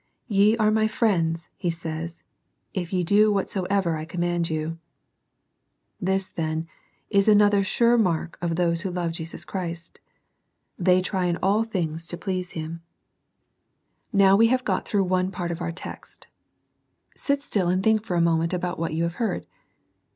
" Ye are my friends," He says, " if ye do whatsoever I command you." This, then, is another sure mark of those who love Jesus Christ, — they try in all things to please Hinu SEEKING THE LORD EARLY. 121 Now we have got through one part of our text. Sit still and think for a moment about what you have heard.